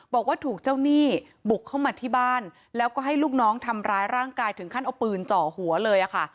บอกว่าถูกเจ้าหนี้บุกเข้ามาที่บ้านแล้วก็ให้ลูกน้องทำร้ายร่างกายถึงขั้นเอาปืนเจาะหัวเลยค่ะ